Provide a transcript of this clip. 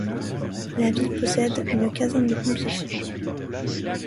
La ville possède une caserne de pompiers.